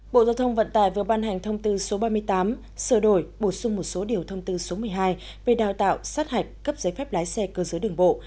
bộ giao thông vận tải vừa ban hành thông tư số ba mươi tám sửa đổi bổ sung một số điều thông tư số một mươi hai về đào tạo sát hạch cấp giấy phép lái xe cơ giới đường bộ